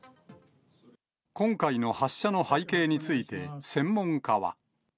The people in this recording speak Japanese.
今回の発射の背景について、専門家は。